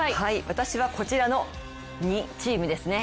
私はこちらのチームですね。